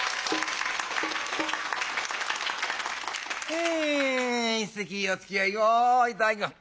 え一席おつきあいを頂きます。